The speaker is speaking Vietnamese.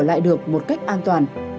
và lại được một cách an toàn